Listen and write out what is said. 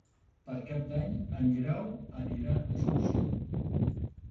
Per Cap d'Any en Guerau anirà d'excursió.